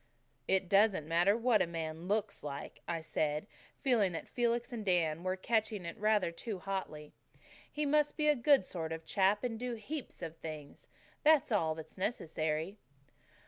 "It doesn't matter what a man LOOKS like," I said, feeling that Felix and Dan were catching it rather too hotly. "He must be a good sort of chap and DO heaps of things. That's all that's necessary."